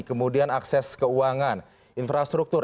kemudian akses keuangan infrastruktur